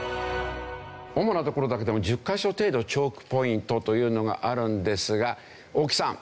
主な所だけでも１０カ所程度チョークポイントというのがあるんですが大木さん